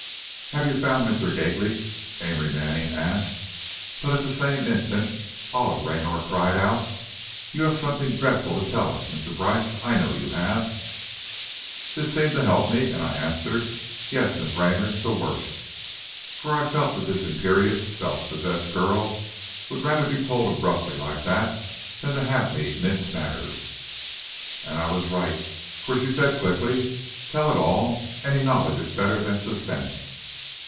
"Have you found Mr. Gately?" Amory Manning asked, but at the same instant, Olive Raynor cried out, "You have something dreadful to tell us, Mr. Brice! I know you have!" This seemed to help me, and I answered, "Yes, Miss Raynor, the worst." For I felt that this imperious, self possessed girl would rather be told abruptly, like that, than to have me mince matters. And I was right, for she said, quickly, "Tell it all, any knowledge is better than suspense."